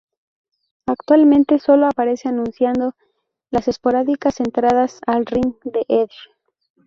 Actualmente, solo aparece anunciando las esporádicas entradas al ring de Edge.